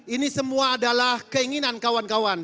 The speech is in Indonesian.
ini semua adalah keinginan kawan kawan